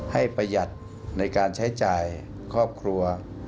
ประหยัดในการใช้จ่ายครอบครัว